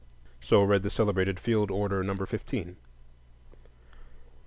So read the celebrated "Field order Number Fifteen."